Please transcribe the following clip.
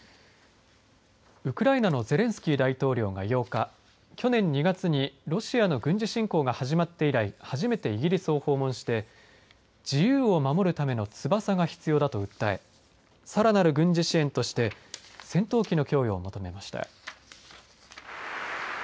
ウクライナのゼレンスキー大統領が８日去年２月にロシアの軍事侵攻が始まって以来初めてイギリスを訪問して自由を守るための翼が必要だと訴えさらなる軍事支援として戦闘機の供与を求めました。